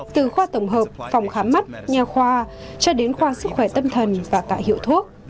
từ khoa tổng hợp phòng khám mắt nhà khoa cho đến khoa sức khỏe tâm thần và tạ hiệu thuốc